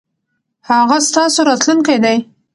هغه ستاسو راتلونکی دی.